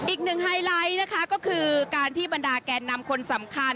ไฮไลท์นะคะก็คือการที่บรรดาแกนนำคนสำคัญ